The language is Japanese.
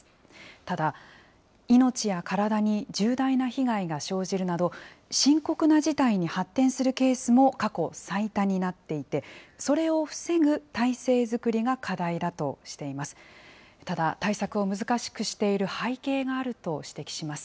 ただ、命や体に重大な被害が生じるなど、深刻な事態に発展するケースも過去最多になっていて、それを防ぐ体制作りが課題だとしています。